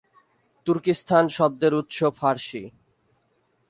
তুর্কিস্তান শব্দের উৎস ফারসি।